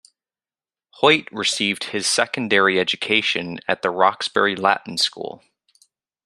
Hoyt received his secondary education at The Roxbury Latin School.